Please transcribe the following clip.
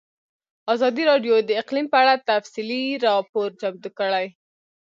ازادي راډیو د اقلیم په اړه تفصیلي راپور چمتو کړی.